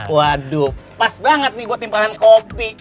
waduh pas banget nih buat timpahan kopi